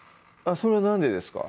それはなんでですか？